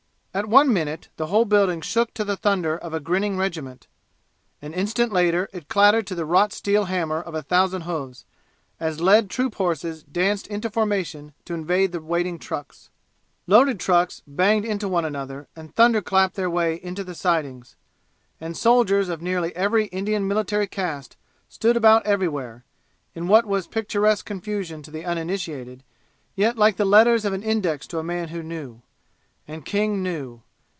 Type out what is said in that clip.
At one minute the whole building shook to the thunder of a grinning regiment; an instant later it clattered to the wrought steel hammer of a thousand hoofs, as led troop horses danced into formation to invade the waiting trucks. Loaded trucks banged into one another and thunderclapped their way into the sidings. And soldiers of nearly every Indian military caste stood about everywhere, in what was picturesque confusion to the uninitiated, yet like the letters of an index to a man who knew. And King knew.